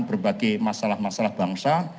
berbagai masalah masalah bangsa